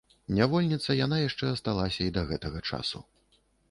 Нявольніца яна яшчэ асталася і да гэтага часу.